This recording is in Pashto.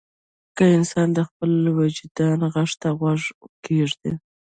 که انسان د خپل وجدان غږ ته غوږ کېږدي.